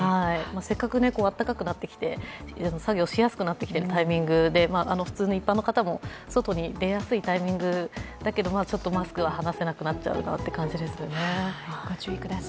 せっかくあったかくなってきて作業しやすくなってきているタイミングで、普通の一般の方も外に出やすいタイミングだけどマスクは外せなくなっちゃうなという感じですね。